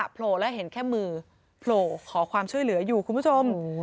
โปร่ความช่วยเหลืออยู่คุณผู้ชม